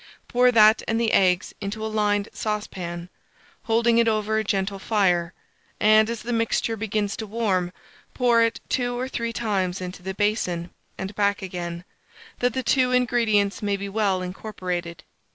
Pour that and the eggs into a lined saucepan; hold it over a gentle fire, and, as the mixture begins to warm, pour it two or three times into the basin, and back again, that the two ingredients may be well incorporated.